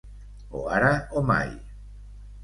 O ara o mai.